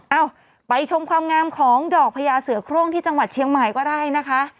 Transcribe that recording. เอ้าไปชมความงามของดอกพญาเสือโครงที่จังหวัดเชียงใหม่ก็ได้นะคะ